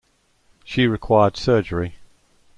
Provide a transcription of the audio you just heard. She required surgery.